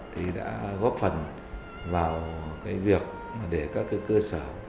thì đã góp phần vào việc để các cơ sở